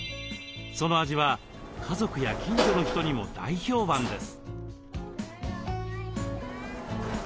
その味は家族や近所の人にも大評判です。